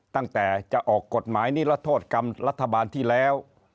ตั้งแต่จะออกกฎหมายนิรโทษกรรมรัฐบาลที่แล้ว